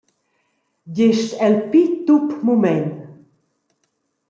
Gest el pli tup mument.